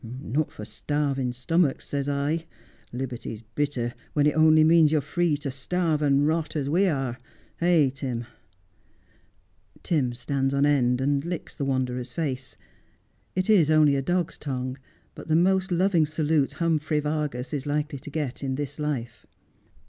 Not for starving stomachs, says I. Liberty's bittei , when it only means you're free to starve and rot — as we are — eh, Tim ?' Tim stands on end, and licks the wanderer's face. It is only a dog's tongue, but the most loving salute Humphrey Vargas is likely to get in this life.